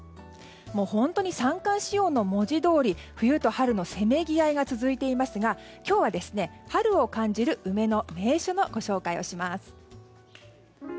本当に三寒四温の文字どおり冬と春のせめぎ合いが続いていますが今日は春を感じる梅の名所をご紹介します。